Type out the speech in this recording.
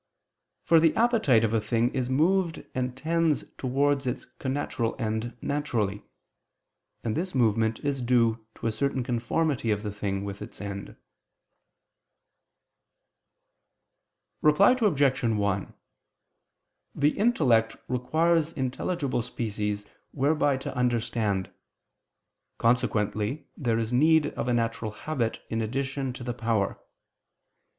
For the appetite of a thing is moved and tends towards its connatural end naturally; and this movement is due to a certain conformity of the thing with its end. Reply Obj. 1: The intellect requires intelligible species whereby to understand: consequently there is need of a natural habit in addition to the power.